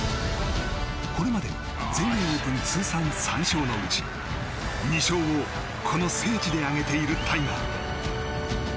これまで全英オープン通算３勝のうち２勝を、この聖地で挙げているタイガー。